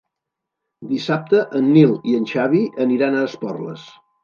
Dissabte en Nil i en Xavi aniran a Esporles.